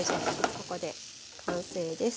ここで完成です。